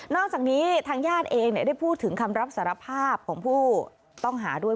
อกจากนี้ทางญาติเองได้พูดถึงคำรับสารภาพของผู้ต้องหาด้วย